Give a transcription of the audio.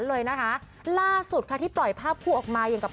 นเลยนะคะล่าสุดใกล้ไปภาพคูออกมายังออกมาอย่างการ